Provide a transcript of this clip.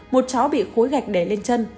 một chó bị khối gạch đè lên chân